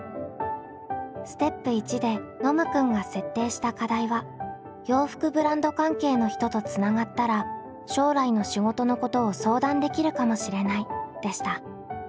ステップ１でノムくんが設定した課題は「洋服ブランド関係の人とつながったら将来の仕事のことを相談できるかもしれない」でした。